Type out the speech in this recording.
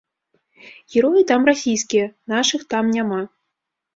Героі там расійскія, нашых там няма.